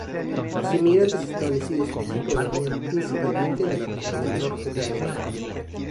Los inmigrantes establecidos aquí provenían principalmente de la región del norte de Alemania.